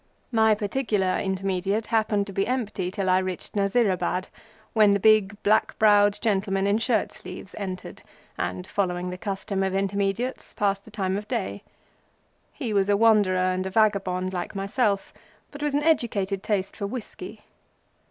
My particular Intermediate happened to be empty till I reached Nasirabad, when a huge gentleman in shirt sleeves entered, and, following the custom of Intermediates, passed the time of day. He was a wanderer and a vagabond like myself, but with an educated taste for whiskey.